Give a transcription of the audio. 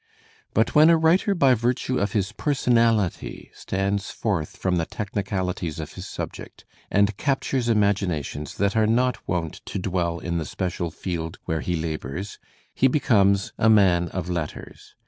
But when a writer by virtue <^ of his personality stands forth from the technicalities of his subject and captures imaginations that are not wont to dwell in the special field where he labours, he becomes a ' man of letters.